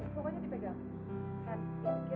dia tipe kan jalan lagi yuk